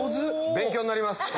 勉強になります。